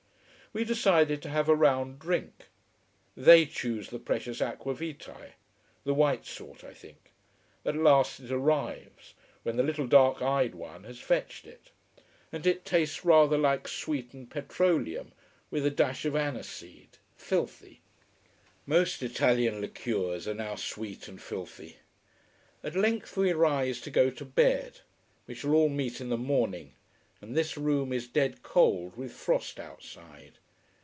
We decide to have a round drink: they choose the precious aqua vitae: the white sort I think. At last it arrives when the little dark eyed one has fetched it. And it tastes rather like sweetened petroleum, with a dash of aniseed: filthy. Most Italian liquors are now sweet and filthy. At length we rise to go to bed. We shall all meet in the morning. And this room is dead cold, with frost outside.